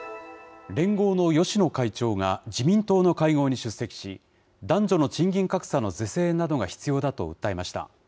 連合の芳野会長が自民党の会合に出席し、男女の賃金格差の是正などが必要だと訴えました。